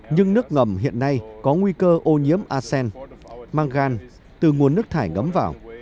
nhưng nước ngầm hiện nay có nguy cơ ô nhiễm arsen mangan từ nguồn nước thải ngấm vào